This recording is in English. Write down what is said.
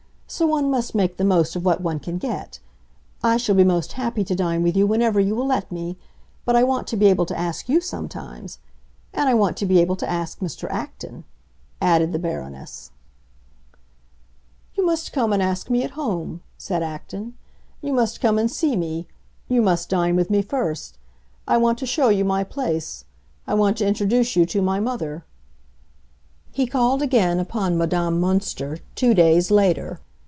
—so one must make the most of what one can get. I shall be most happy to dine with you whenever you will let me; but I want to be able to ask you sometimes. And I want to be able to ask Mr. Acton," added the Baroness. "You must come and ask me at home," said Acton. "You must come and see me; you must dine with me first. I want to show you my place; I want to introduce you to my mother." He called again upon Madame Münster, two days later.